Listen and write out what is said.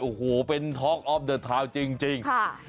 โอ้โหเป็นทอล์กอฟเตอร์เทิลจริง